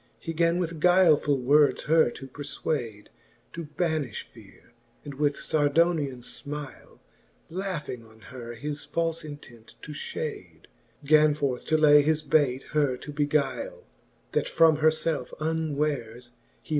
He gan with guilefull words her to perfwade To banifh feare, and with Sardonian fmyle Laughing on her, his falfe intent to fhade, Gan forth to lay his bayte her to beguile, That from her (elf unwares he might her fteale the whyle.